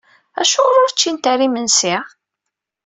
Acuɣer ur ččint ara imensi?